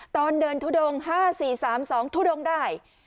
ตอนเดินทุดง๕๔๓๒ทุดงได้